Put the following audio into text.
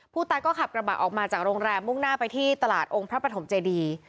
ผู้ตายก็ขับกระบะออกมาจากโรงแรมมุ่งหน้าไปที่ตลาดองค์พระปฐมเจดี